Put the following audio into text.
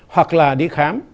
hoặc là đi khám